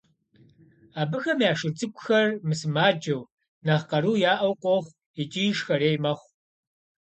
Абыхэм я шыр цӀыкӀухэр мысымаджэу, нэхъ къару яӀэу къохъу икӀи шхэрей мэхъу.